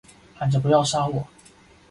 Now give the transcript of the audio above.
喊着不要杀我